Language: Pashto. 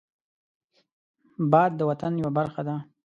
باد د طوفان یو برخه ده